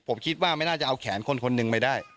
ผมคิดว่าไม่น่าจะเอาแขนคนคนหนึ่งไปได้